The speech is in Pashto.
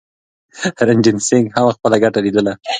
رنجیت سنګ هم خپله ګټه لیدله.